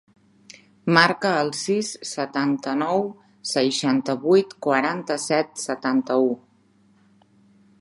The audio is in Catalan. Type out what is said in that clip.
Marca el sis, setanta-nou, seixanta-vuit, quaranta-set, setanta-u.